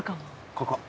ここ。